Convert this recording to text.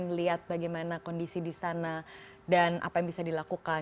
melihat bagaimana kondisi di sana dan apa yang bisa dilakukan